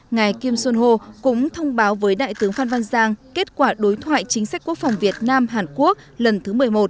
ngài kim son ho cũng thông báo với đại tướng phan văn giang kết quả đối thoại chính sách quốc phòng việt nam hàn quốc lần thứ một mươi một